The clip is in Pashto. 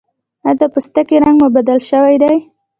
ایا د پوستکي رنګ مو بدل شوی دی؟